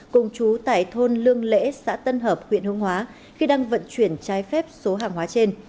cùng chú tại thôn lương lễ xã tân hợp huyện hương hóa khi đang vận chuyển trái phép số hàng hóa trên